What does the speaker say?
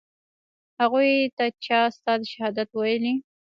هغوى ته چا ستا د شهادت ويلي.